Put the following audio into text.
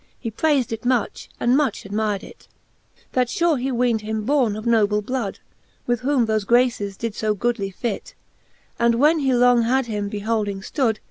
He prayfd it much, and much admyred it; That fure he weendhim borne of noble blood, With whom thole graces did To goodly fit: And when he long had him beholding ftood.